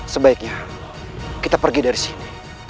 sebaiknya kita pergi dari sini